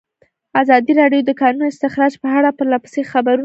ازادي راډیو د د کانونو استخراج په اړه پرله پسې خبرونه خپاره کړي.